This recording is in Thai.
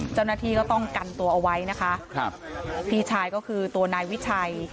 เจ้าหน้าที่ก็ต้องกันตัวเอาไว้นะคะครับพี่ชายก็คือตัวนายวิชัย